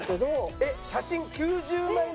えっ写真９０枚目？